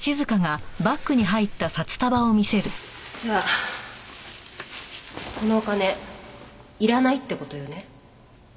じゃあこのお金いらないって事よね。